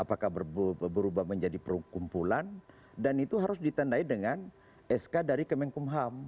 apakah berubah menjadi perkumpulan dan itu harus ditandai dengan sk dari kemenkumham